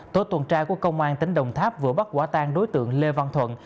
tối tuần tra của công an tỉnh đồng tháp vừa bắt quả tan đối tượng lê văn thuận